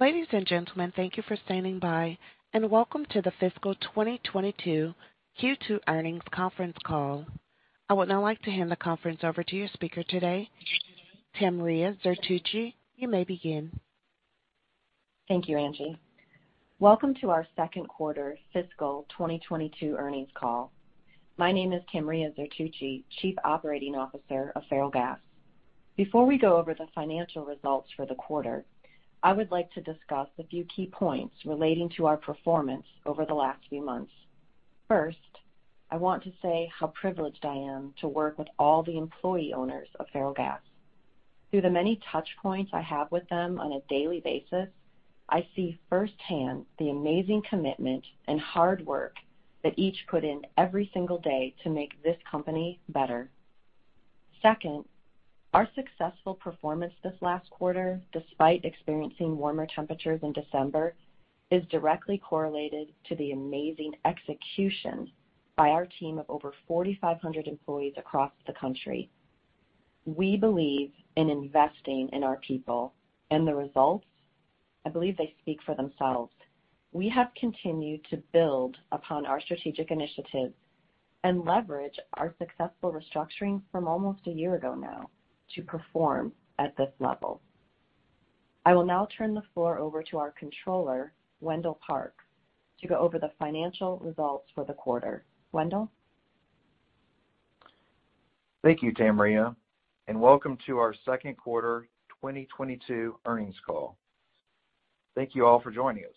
Ladies and gentlemen, thank you for standing by, and welcome to the fiscal 2022 Q2 earnings conference call. I would now like to hand the conference over to your speaker today, Tamria Zertuche. You may begin. Thank you, Angie. Welcome to our second quarter fiscal 2022 earnings call. My name is Tamria Zertuche, Chief Operating Officer of Ferrellgas. Before we go over the financial results for the quarter, I would like to discuss a few key points relating to our performance over the last few months. First, I want to say how privileged I am to work with all the employee owners of Ferrellgas. Through the many touch points I have with them on a daily basis, I see firsthand the amazing commitment and hard work that each put in every single day to make this company better. Second, our successful performance this last quarter, despite experiencing warmer temperatures in December, is directly correlated to the amazing execution by our team of over 4,500 employees across the country. We believe in investing in our people and the results. I believe they speak for themselves. We have continued to build upon our strategic initiatives and leverage our successful restructuring from almost a year ago now to perform at this level. I will now turn the floor over to our Controller, Wendel Parks, to go over the financial results for the quarter. Wendel? Thank you, Tamria, and welcome to our second quarter 2022 earnings call. Thank you all for joining us.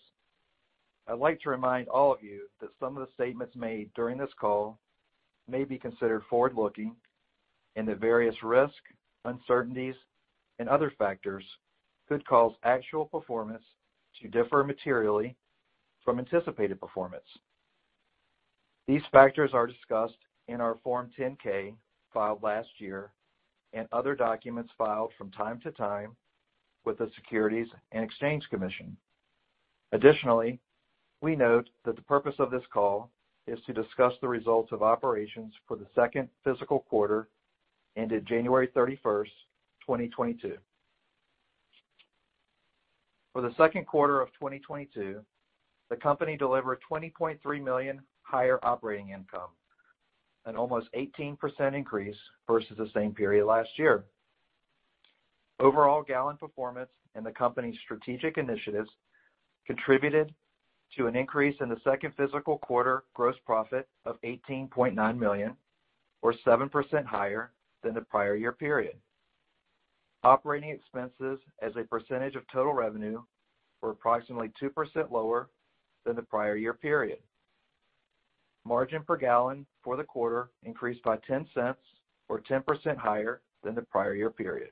I'd like to remind all of you that some of the statements made during this call may be considered forward-looking and that various risk, uncertainties, and other factors could cause actual performance to differ materially from anticipated performance. These factors are discussed in our Form 10-K filed last year and other documents filed from time to time with the Securities and Exchange Commission. Additionally, we note that the purpose of this call is to discuss the results of operations for the second fiscal quarter ended January 31st, 2022. For the second quarter of 2022, the company delivered $20.3 million higher operating income, an almost 18% increase versus the same period last year. Overall gallon performance and the company's strategic initiatives contributed to an increase in the second fiscal quarter gross profit of $18.9 million, or 7% higher than the prior year period. Operating expenses as a percentage of total revenue were approximately 2% lower than the prior year period. Margin per gallon for the quarter increased by $0.10 or 10% higher than the prior year period.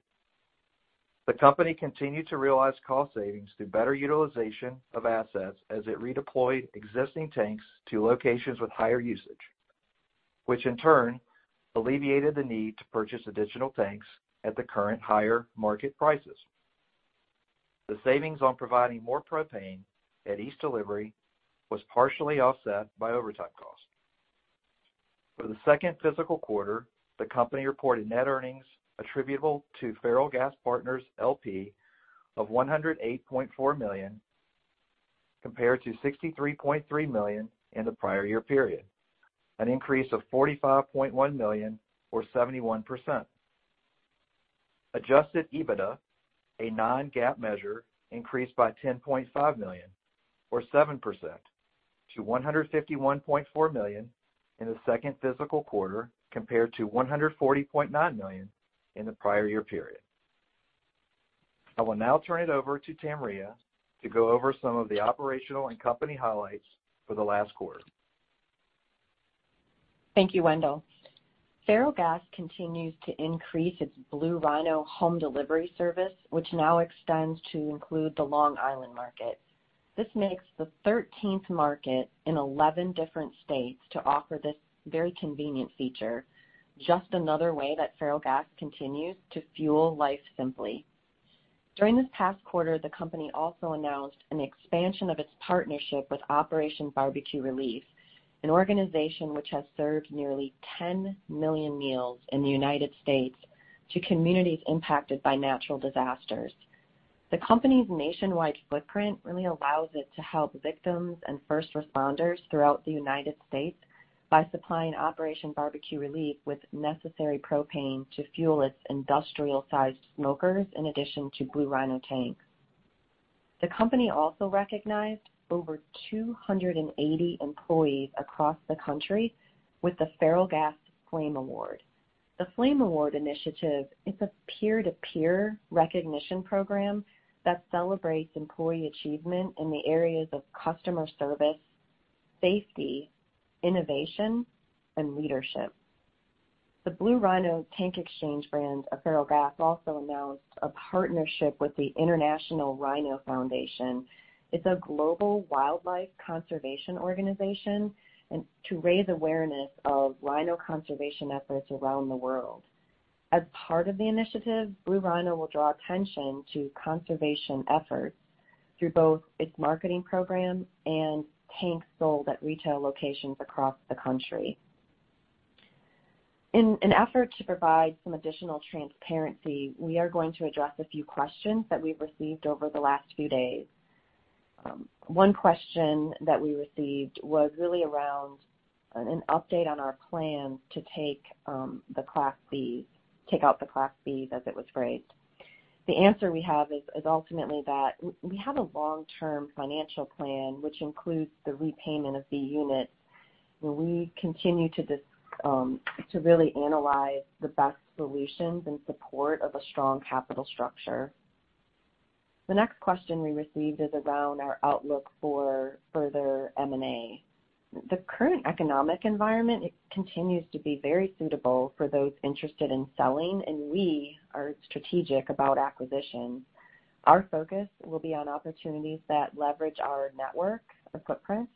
The company continued to realize cost savings through better utilization of assets as it redeployed existing tanks to locations with higher usage, which in turn alleviated the need to purchase additional tanks at the current higher market prices. The savings on providing more propane at each delivery was partially offset by overtime costs. For the second fiscal quarter, the company reported net earnings attributable to Ferrellgas Partners, L.P. of $108.4 million, compared to $63.3 million in the prior year period, an increase of $45.1 million or 71%. Adjusted EBITDA, a non-GAAP measure, increased by $10.5 million or 7% to $151.4 million in the second fiscal quarter, compared to $140.9 million in the prior year period. I will now turn it over to Tamria to go over some of the operational and company highlights for the last quarter. Thank you, Wendel. Ferrellgas continues to increase its Blue Rhino home delivery service, which now extends to include the Long Island market. This makes the 13th market in 11 different states to offer this very convenient feature, just another way that Ferrellgas continues to fuel life simply. During this past quarter, the company also announced an expansion of its partnership with Operation BBQ Relief, an organization which has served nearly 10 million meals in the United States to communities impacted by natural disasters. The company's nationwide footprint really allows it to help victims and first responders throughout the United States by supplying Operation BBQ Relief with necessary propane to fuel its industrial-sized smokers in addition to Blue Rhino tanks. The company also recognized over 280 employees across the country with the Ferrellgas Flame Award. The Flame Award initiative is a peer-to-peer recognition program that celebrates employee achievement in the areas of customer service, safety, innovation, and leadership. The Blue Rhino tank exchange brand of Ferrellgas also announced a partnership with the International Rhino Foundation. It's a global wildlife conservation organization and to raise awareness of rhino conservation efforts around the world. As part of the initiative, Blue Rhino will draw attention to conservation efforts through both its marketing program and tanks sold at retail locations across the country. In an effort to provide some additional transparency, we are going to address a few questions that we've received over the last few days. One question that we received was really around an update on our plans to take the Class B—take out the Class B, as it was phrased. The answer we have is ultimately that we have a long-term financial plan, which includes the repayment of the unit, where we continue to really analyze the best solutions in support of a strong capital structure. The next question we received is around our outlook for further M&A. The current economic environment continues to be very suitable for those interested in selling, and we are strategic about acquisitions. Our focus will be on opportunities that leverage our network, our footprint,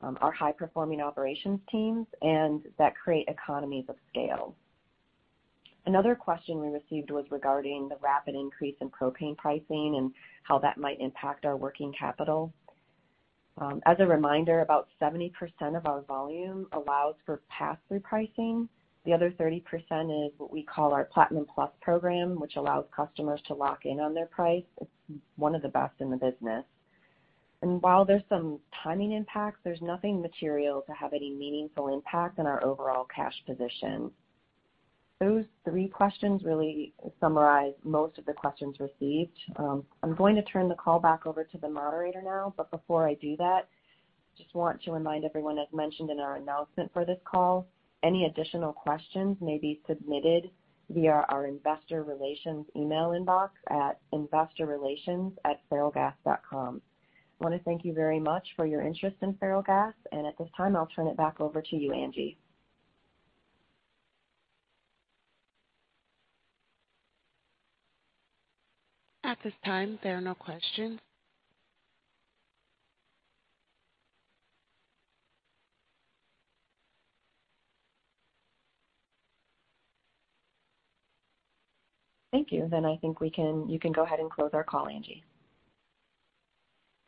our high-performing operations teams, and that create economies of scale. Another question we received was regarding the rapid increase in propane pricing and how that might impact our working capital. As a reminder, about 70% of our volume allows for pass-through pricing. The other 30% is what we call our Platinum Plus program, which allows customers to lock in on their price. It's one of the best in the business. While there's some timing impacts, there's nothing material to have any meaningful impact on our overall cash position. Those three questions really summarize most of the questions received. I'm going to turn the call back over to the moderator now, but before I do that, just want to remind everyone, as mentioned in our announcement for this call, any additional questions may be submitted via our investor relations email inbox at investorrelations@ferrellgas.com. I wanna thank you very much for your interest in Ferrellgas, and at this time, I'll turn it back over to you, Angie. At this time, there are no questions. Thank you. Then I think we can—you can go ahead and close our call, Angie.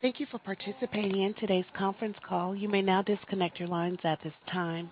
Thank you for participating in today's conference call. You may now disconnect your lines at this time.